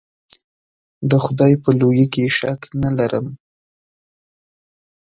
د خدای په لویي کې شک نه ارم.